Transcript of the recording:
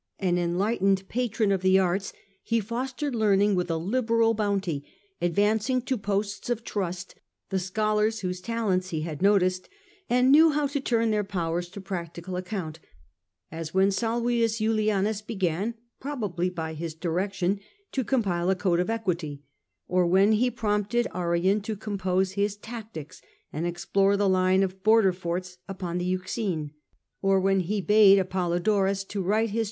An enlightened patron of the arts, he fostered learning with a liberal bounty, advanced to posts of trust the scholars whose talents he had noticed, and knew how to turn their powers to practical account, as when Salvius Julianus began, probably by his direction, to compile a code of equity, or when he prompted Arrian to compose his ' Tactics ' and explore the line of border forts upon the Euxine, or when he bade Apollodorus to write his A. H, F 66 Tfie Age of the A ntonines.